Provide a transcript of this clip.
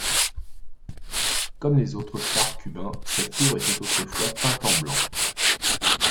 Comme les autres phares cubains, cette tour était autrefois peinte en blanc.